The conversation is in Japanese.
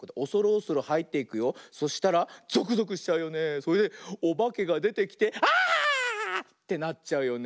それでおばけがでてきて「あ！」ってなっちゃうよね。